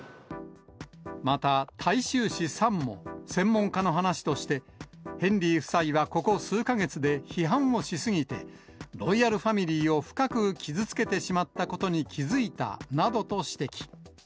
また、大衆紙、サンも、専門家の話として、ヘンリー夫妻はここ数か月で批判をし過ぎて、ロイヤルファミリーを深く傷つけてしまったことに気付いたなどと指摘。